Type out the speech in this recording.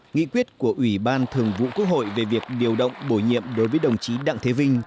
nghị quyết của ủy ban thường vụ quốc hội về việc điều động bổ nhiệm đối với đồng chí đặng thế vinh